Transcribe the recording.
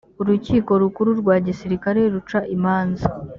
urukiko rukuru rwa gisirikare ruca imanza